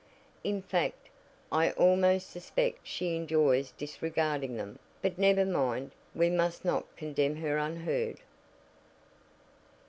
"In fact, I almost suspect she enjoys disregarding them. But never mind! we must not condemn her unheard."